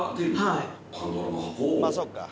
まあそうか。